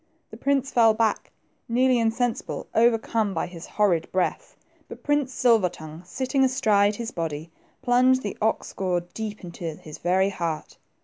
The prince fell back, nearly insensible, overcome by his horrid breath ; but Prince Silver tongue, sitting astride his body, plunged the ox goad deep into his very heart.